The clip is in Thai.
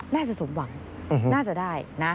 น่าจะสมหวังน่าจะได้นะ